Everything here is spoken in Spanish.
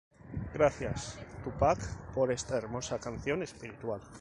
Gracias Tupac por esta hermosa canción espiritual"".